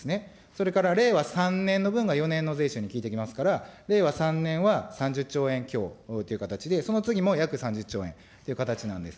それから、令和３年の分が４年の税収に効いてきますから、令和３年は３０兆円強という形で、その次も約３０兆円という形なんです。